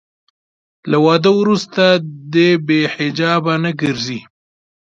له واده وروسته دې بې حجابه نه ګرځي.